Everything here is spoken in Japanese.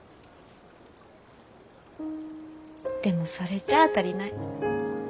でもそれじゃあ足りない。